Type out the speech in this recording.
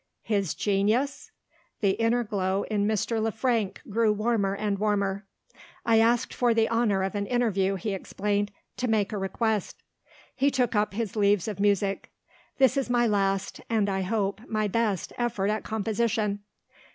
His "genius"! The inner glow in Mr. Le Frank grew warmer and warmer. "I asked for the honour of an interview," he explained, "to make a request." He took up his leaves of music. "This is my last, and, I hope, my best effort at composition.